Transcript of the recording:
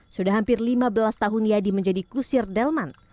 sudah hampir lima belas tahun yadi menjadi kusir delman